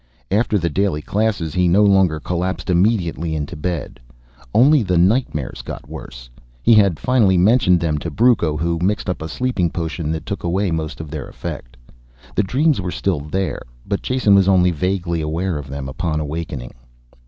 After the daily classes he no longer collapsed immediately into bed. Only the nightmares got worse. He had finally mentioned them to Brucco, who mixed up a sleeping potion that took away most of their effect. The dreams were still there, but Jason was only vaguely aware of them upon awakening.